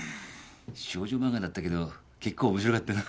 少女漫画だったけど結構面白かったな。